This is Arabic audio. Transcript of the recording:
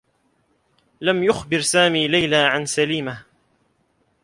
لم يخبر سامي ليلى عن سليمة.